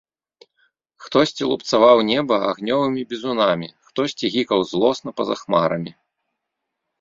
Хтосьці лупцаваў неба агнёвымі бізунамі, хтосьці гікаў злосна па-за хмарамі.